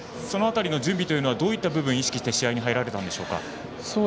その辺りの準備というのはどういった部分を意識して試合に入られたんでしょうか？